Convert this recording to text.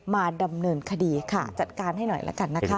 มาดำเนินคดีค่ะจัดการให้หน่อยละกันนะคะ